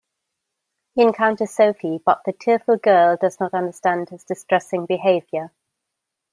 He encounters Sophie but the tearful girl does not understand his distressing behavior.